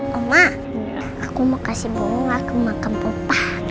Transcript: mama aku mau kasih bunga ke makan bopak